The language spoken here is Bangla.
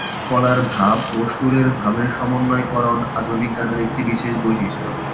কলার ভাব ও সুরের ভাবের সমন্বয়করণ আধুনিক গানের একটি বিশেষ বৈশিষ্ট্য।